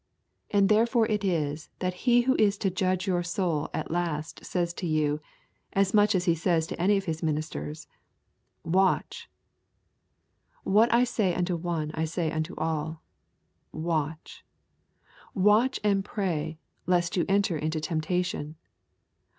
And therefore it is that He Who is to judge your soul at last says to you, as much as He says it to any of His ministers, Watch! What I say unto one I say unto all, Watch. Watch and pray, lest you enter into temptation.